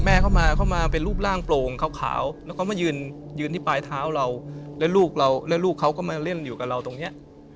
แม่เขามาเป็นรูปร่างโปร่งขาวแล้วก็มายืนที่ปลายเท้าเราแล้วลูกเขาก็มาเล่นอยู่กับเราตรงนี้